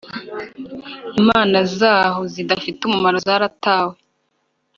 imana zaho zitagira umumaro zaratawe.